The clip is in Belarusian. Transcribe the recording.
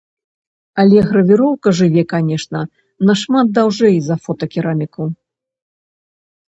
Але гравіроўка жыве, канечне, нашмат даўжэй за фотакераміку.